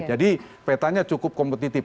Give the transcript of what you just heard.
jadi petanya cukup kompetitif